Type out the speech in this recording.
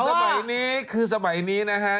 สมัยนี้คือสมัยนี้นะฮะ